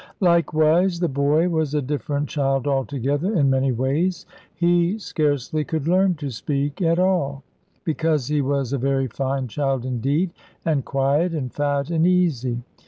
"Likewise the boy was a different child altogether in many ways. He scarcely could learn to speak at all, because he was a very fine child indeed, and quiet, and fat, and easy.